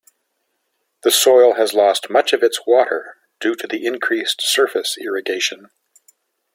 The soil has lost much of its water due to the increased surface irrigation.